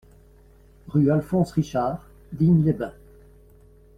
Rue Alphonse Richard, Digne-les-Bains